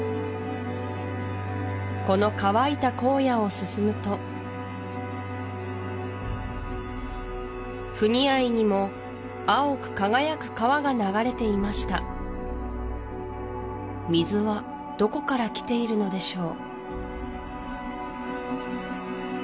この乾いた荒野を進むと不似合いにも青く輝く川が流れていました水はどこから来ているのでしょう？